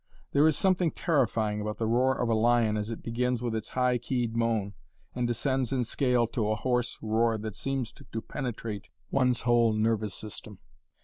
There is something terrifying about the roar of a lion as it begins with its high keyed moan, and descends in scale to a hoarse roar that seems to penetrate one's whole nervous system.